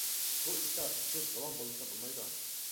بۇ ئىشتا ئۇچۇر راۋان بولمىسا بولمايدۇ.